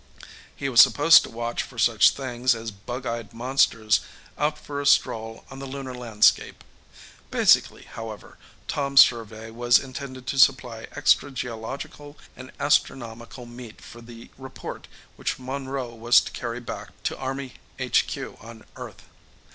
He was supposed to watch for such things as bug eyed monsters out for a stroll on the Lunar landscape. Basically, however, Tom's survey was intended to supply extra geological and astronomical meat for the report which Monroe was to carry back to Army HQ on Earth.